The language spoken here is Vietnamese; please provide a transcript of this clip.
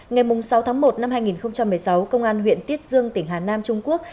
ngày sáu tháng một năm hai nghìn một mươi sáu công an huyện tiết dương tỉnh hà nam trung quốc